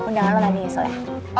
undang lo lagi ya soleh